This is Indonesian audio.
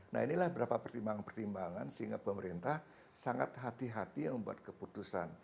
nah inilah beberapa pertimbangan pertimbangan sehingga pemerintah sangat hati hati membuat keputusan